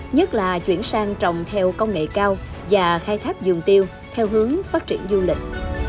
nhất là chuyển sang trồng theo công nghệ cao và khai thác giường tiêu theo hướng phát triển du lịch